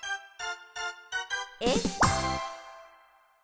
えっ？